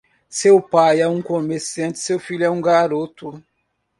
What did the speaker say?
Se o pai é um comerciante, seu filho é um garoto.